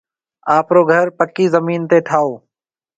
آپرو گهر پڪِي زمين تي ٺاهيَو۔